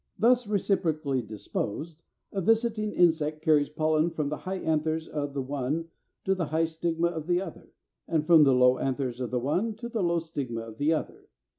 Thus reciprocally disposed, a visiting insect carries pollen from the high anthers of the one to the high stigma of the other, and from the low anthers of the one to the low stigma of the other.